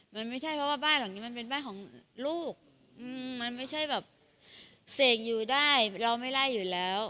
มันไม่ใช่เพราะว่าบ้านหลังนี้มันเป็นบ้านของลูกมันไม่ใช่แบบเสกอยู่ได้เราไม่ไล่อยู่แล้ว